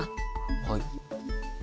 はい。